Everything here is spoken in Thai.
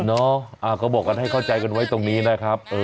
เนาะก็บอกกันให้เข้าใจกันไว้ตรงนี้นะครับ